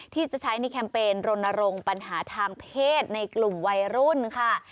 ที่จะใช้ในแคมเปญรณรงค์ปัญหาทางเพศในกลุ่มวัยรุ่นค่ะ